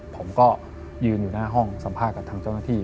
ผมก็ยืนอยู่หน้าห้องสัมภาษณ์กับทางเจ้าหน้าที่